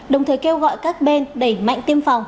đồng thời kêu gọi các bên đẩy mạnh tiêm phòng